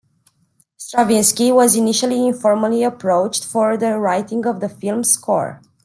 Stravinsky was initially informally approached for the writing of the film score.